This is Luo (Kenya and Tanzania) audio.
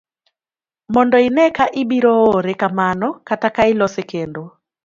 mondo ine ka ibiro ore kamano kata ka ilose kendo